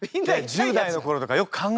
１０代の頃とかよく考えてよ。